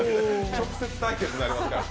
直接対決になりますから。